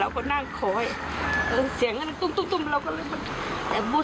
เราก็นั่งขอยเสียงนั้นตุ้มเราก็เลยบอก